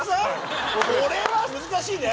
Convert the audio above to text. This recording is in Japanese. これは難しいね。